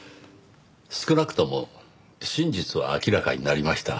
少なくとも真実は明らかになりました。